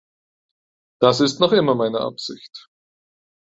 Das ist noch immer meine Absicht.